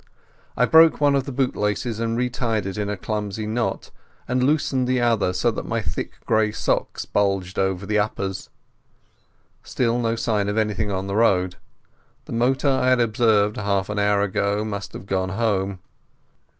I broke one of the bootlaces and retied it in a clumsy knot, and loosed the other so that my thick grey socks bulged over the uppers. Still no sign of anything on the road. The motor I had observed half an hour ago must have gone home.